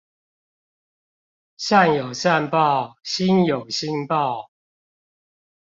善有善報，星有星爆